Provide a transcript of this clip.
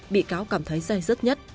bị cáo cảm thấy dây dứt nhất